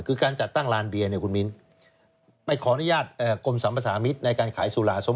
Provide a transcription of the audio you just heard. คือการจัดตั้งลานเบียร์เนี่ยคุณมิ้นไปขออนุญาตกรมสัมภาษามิตรในการขายสุราโซ